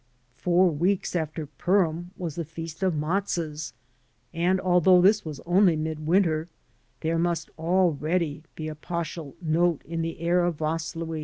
Four weeks after Purim was the Feast of Matzoths; and although this was only midwinter there must already be a Paschal note in the air of Vaslui.